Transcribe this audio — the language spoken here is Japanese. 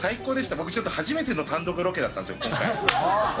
僕、初めての単独ロケだったんですよ、今回。